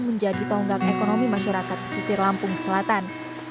menjadi tonggak ekonomi masyarakat pesisir lampung selatan